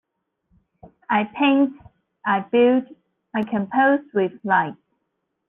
I paint, I build, I compose with light.